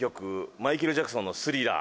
マイケル・ジャクソンの『スリラー』